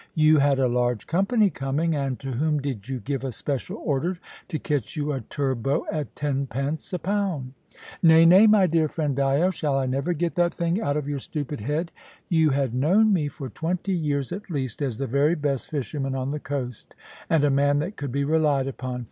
"You had a large company coming, and to whom did you give a special order to catch you a turbot at tenpence a pound?" "Nay, nay, my dear friend Dyo; shall I never get that thing out of your stupid head?" "You had known me for twenty years at least as the very best fisherman on the coast, and a man that could be relied upon.